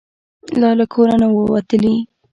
لا له کوره نه وو وتلي.